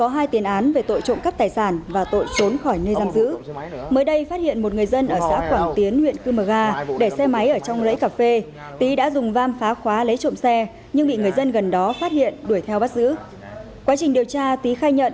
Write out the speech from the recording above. hãy đăng ký kênh để ủng hộ kênh của mình nhé